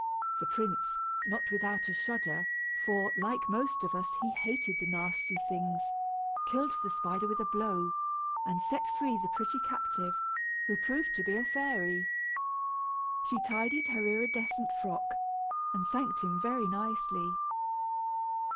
The prince, not without a shudder, for, like most of us, he hated the nasty things, killed the spider with a blow, and set free the pretty captive, who proved to be a fairy. She tidied her iridescent frock, and thanked him very nicely.